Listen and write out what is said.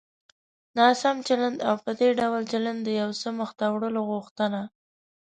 ناسم چلند او په دې ډول چلند د يو څه مخته وړلو غوښتنه.